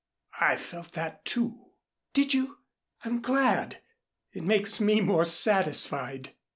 I felt that, too." "Did you? I'm glad. It makes me more satisfied."